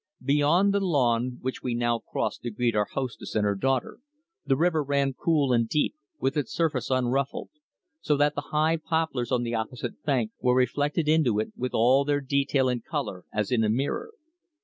Beyond the lawn, which we now crossed to greet our hostess and her daughter, the river ran cool and deep, with its surface unruffled, so that the high poplars on the opposite bank were reflected into it with all their detail and colour as in a mirror.